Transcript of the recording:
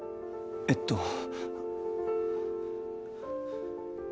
えっと。